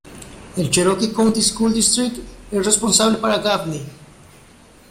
El Cherokee County School District es responsable para Gaffney.